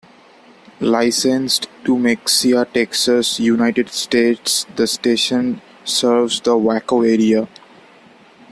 Licensed to Mexia, Texas, United States, the station serves the Waco area.